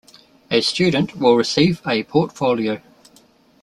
A student will receive a portfolio.